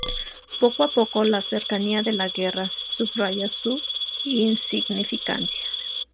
Poco a poco, la cercanía de la guerra subraya su insignificancia.